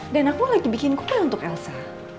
dan aku lagi bikin kue untuk elsa